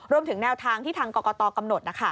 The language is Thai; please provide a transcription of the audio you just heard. รวมถึงแนวทางที่ทางกรกตกำหนด